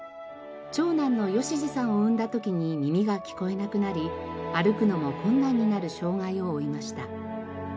長男の由司さんを産んだ時に耳が聞こえなくなり歩くのも困難になる障害を負いました。